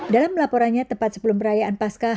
dalam laporannya tepat sebelum perayaan pasca